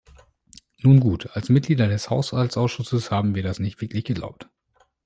Nun gut, als Mitglieder des Haushaltsausschusses haben wir das nicht wirklich geglaubt.